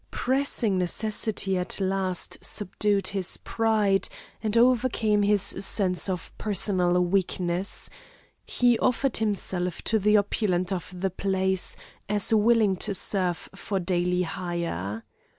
Pressing necessity at last subdued his pride, and overcame his sense of personal weakness, he offered himself to the opulent of the place, as willing to serve for daily hire.